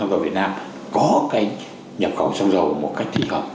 xăng dầu việt nam có cái nhập khẩu xăng dầu một cách thích hợp